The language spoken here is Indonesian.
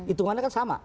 ukurannya kan sama